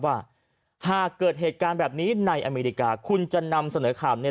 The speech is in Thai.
ว่าหากเกิดเหตุการณ์แบบนี้ในอเมริกาคุณจะนำเสนอข่าวเนี่ย